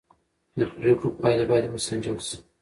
د پرېکړو پایلې باید سنجول شي